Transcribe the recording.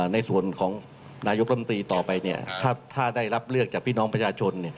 ในส่วนของนายกรมตรีต่อไปถ้าได้รับเลือกจากพี่น้องประชาชน